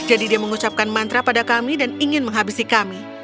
jadi dia mengucapkan mantra pada kami dan ingin menghabisi kami